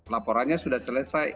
laporannya sudah selesai